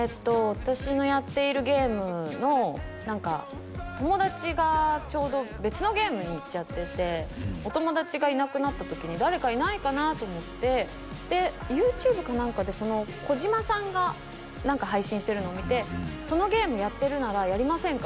私のやっているゲームの何か友達がちょうど別のゲームにいっちゃっててお友達がいなくなった時に誰かいないかなと思ってでＹｏｕＴｕｂｅか何かで児嶋さんが配信してるのを見てそのゲームやってるならやりませんか？